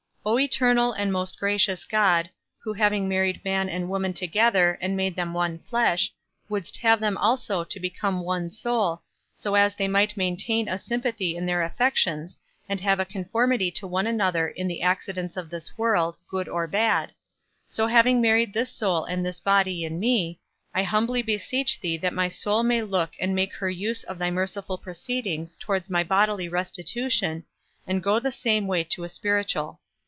O eternal and most gracious God, who having married man and woman together, and made them one flesh, wouldst have them also to become one soul, so as that they might maintain a sympathy in their affections, and have a conformity to one another in the accidents of this world, good or bad; so having married this soul and this body in me, I humbly beseech thee that my soul may look and make her use of thy merciful proceedings towards my bodily restitution, and go the same way to a spiritual.